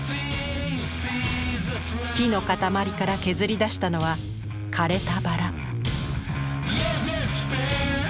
木の塊から削り出したのは枯れた薔薇。